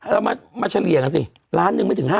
เรามาเฉลี่ยกันสิล้านหนึ่งไม่ถึง๕